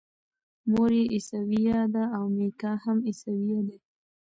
مور یې عیسویه ده او میکا هم عیسوی دی.